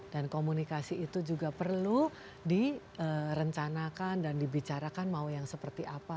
dan komunikasi itu juga perlu direncanakan dan dibicarakan mau yang seperti apa